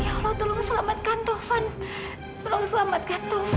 ya allah tolong selamatkan taufan tolong selamatkan taufan